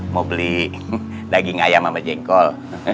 mau beli daging ayam sama jengkol